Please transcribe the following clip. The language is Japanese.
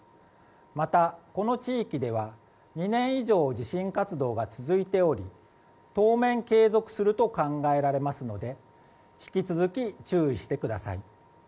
また、この地域では２年以上、地震活動が続いており当面、継続すると考えられますので引き続き注意してください。